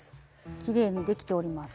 きれいにできております。